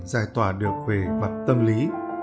giải tỏa được về mặt tâm lý